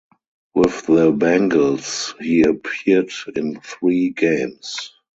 With the Bengals he appeared in three games.